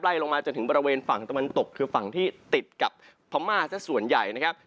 ลงมาจนถึงบริเวณฝั่งตะวันตกคือฝั่งที่ติดกับพม่าสักส่วนใหญ่นะครับ